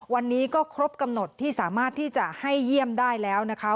วันนี้ก็ครบกำหนดที่สามารถที่จะให้เยี่ยมได้แล้วนะคะ